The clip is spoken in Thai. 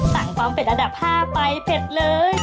สั่งความเผ็ดระดับ๕ไปเผ็ดเลย